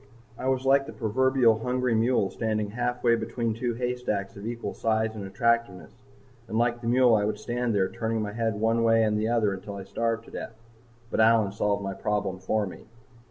I was like the proverbial hungry mule standing halfway between two haystacks of equal size and attractiveness. And like the mule I would stand there turning my head one way and the other until I starved to death. But Allyn solved my problem for me.